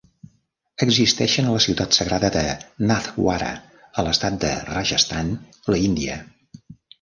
Existeixen a la ciutat sagrada de Nathdwara, a l'estat de Rajasthan, l'Índia.